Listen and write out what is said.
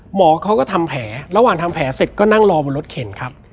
หมอเขาก็ทำแผลระหว่างทำแผลเสร็จก็นั่งรอบนรถเข็นครับ